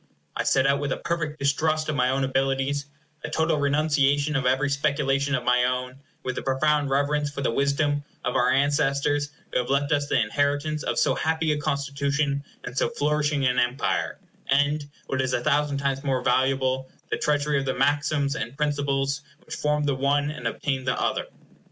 I set out with a perfect distrust of my own abilities, a total renunciation of every speculation of my own, and with a profound reverence for the wisdom of our ancestors who have left us the inheritance of so happy a constitution and so flourishing an empire, and, what is a thousand times more valuable, the treasury of the maxims and principles which formed the one and obtained the other.